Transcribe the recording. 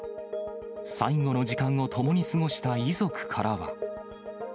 最後の時間を共に過ごした遺族からは。